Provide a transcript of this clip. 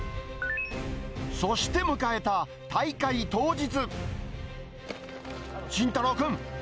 そして迎えた大会当日。